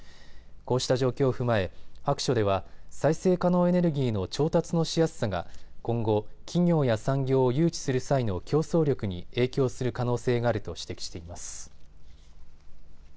こうした状況を踏まえ白書では再生可能エネルギーの調達のしやすさが今後、企業や産業を誘致する際の競争力に影響する可能性があると指摘しています。